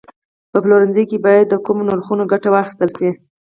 په پلورنځي کې باید د کمو نرخونو ګټه واخیستل شي.